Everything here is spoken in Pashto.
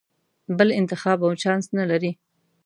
بل انتخاب او چانس نه لرې.